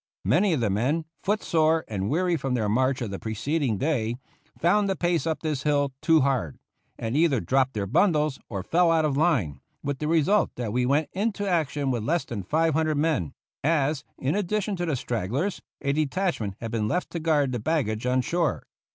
Many of the men, foot sore and weary from their march of the preceding day, found the pace up this hill too hard, and either dropped their bundles or fell out of line, with the result that we went into action with less than five hundred men as, in addition to the stragglers, a detachment had been left to guard the baggage on shore.